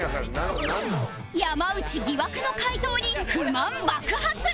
山内疑惑の解答に不満爆発